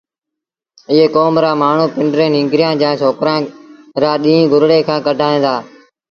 ايئي ڪوم رآ مآڻهوٚٚݩ پنڊري ننگريآݩ جآݩ ڇوڪرآݩ رآ ڏيݩهݩ گُرڙي کآݩ ڪڍائيٚݩ دآ